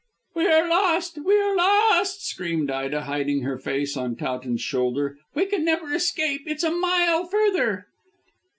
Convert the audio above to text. "We are lost! we are lost!" screamed Ida, hiding her face on Towton's shoulder. "We can never escape. It's a mile further."